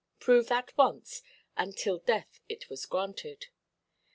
Prove that once, and till death it was granted.